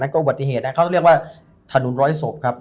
ก็อุบัติเหตุเขาเรียกว่าถนนร้อยศพครับ